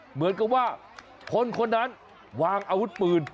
เหมือนกับว่าคนคนนั้นวางอาวุธปืน